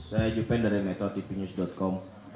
saya jepen dari metrotvnews com